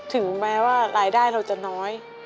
ถึงแม้ว่ารายได้เราจะน้อย